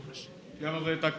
山添拓君。